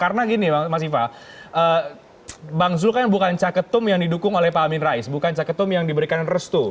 karena gini mas viva bang zul bukan caketum yang didukung oleh pak amin ra'ih bukan caketum yang diberikan restu